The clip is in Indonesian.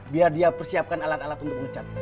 biar dia persiapkan alat alat untuk mengecat